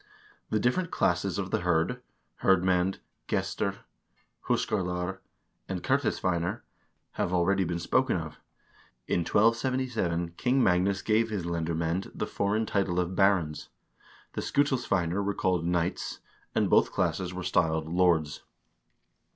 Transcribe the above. The different classes of the hird: hirdmcend, gestir, huskarlar, and kertisveinar, have already been spoken of. In 1277 King Magnus gave his lendermcend the foreign title of "barons" ; the skutilsveinar were called "knights"; and both classes were styled "lords."